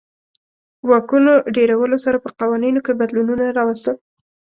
واکونو ډېرولو سره په قوانینو کې بدلونونه راوستل.